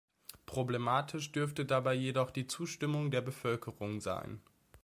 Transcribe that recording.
Problematisch dürfte dabei jedoch die Zustimmung der Bevölkerung sein.